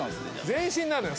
全身なのよ。